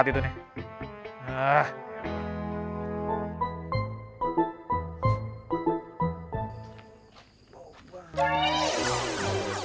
waduh gak gitu